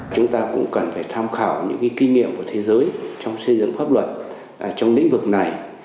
chúng ta cũng cần phải tham khảo những kinh nghiệm của thế giới trong xây dựng pháp luật trong lĩnh vực này